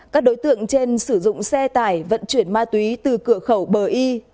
các đối tượng trên sử dụng xe tải vận chuyển ma túy từ cửa khẩu bờ y